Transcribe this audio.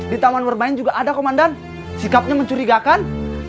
di taman bermain juga ada komandan sikapnya mencurigakan